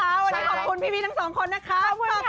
วันนี้ขอบคุณพี่ทั้งสองคนนะคะ